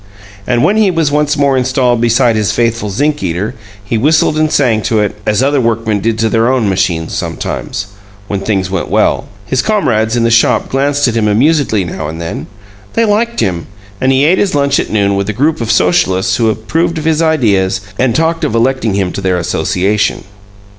And when he was once more installed beside his faithful zinc eater he whistled and sang to it, as other workmen did to their own machines sometimes, when things went well. His comrades in the shop glanced at him amusedly now and then. They liked him, and he ate his lunch at noon with a group of Socialists who approved of his ideas and talked of electing him to their association.